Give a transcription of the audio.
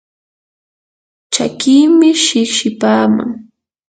chakiimi shiqshipaaman